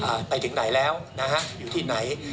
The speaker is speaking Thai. ว่าตัวรถไปถึงไหนแล้วอยู่ที่ไหน